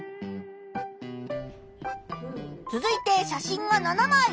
続いて写真が７まい。